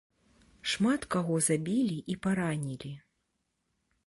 Шмат каго забілі і паранілі.